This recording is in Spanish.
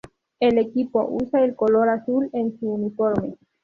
El equipo usa el color azul en su uniforme.